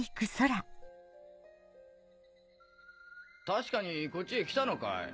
確かにこっちへ来たのかい？